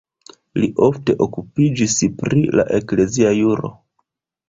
Li ofte okupiĝis pri la eklezia juro.